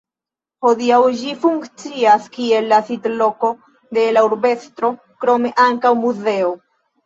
Hodiaŭ, ĝi funkcias kiel la sidloko de la urbestro, krome ankaŭ muzeo.